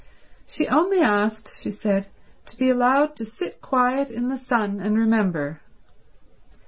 She only asked, she said, to be allowed to sit quiet in the sun and remember.